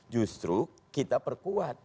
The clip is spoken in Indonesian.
justru kita perkuat